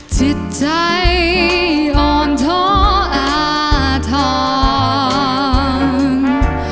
จิตใจอ่อนท้ออาทร